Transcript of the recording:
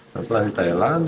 setelah di thailand